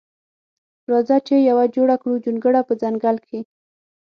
راځه چې یوه جوړه کړو جونګړه په ځنګل کښې